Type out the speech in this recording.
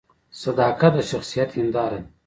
صداقت د شخصیت هنداره ده